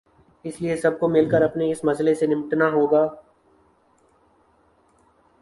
اس لیے سب کو مل کر اپنے اس مسئلے سے نمٹنا ہو گا۔